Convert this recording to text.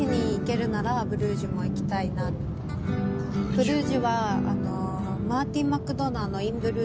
ブルージュは。